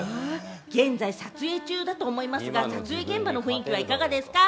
現在、撮影中だと思いますが撮影現場の雰囲気はどうですか？